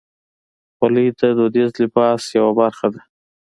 خولۍ د دودیز لباس یوه برخه ده.